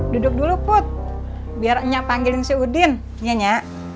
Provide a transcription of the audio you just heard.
duduk dulu put biar nya panggilin si udin iya nya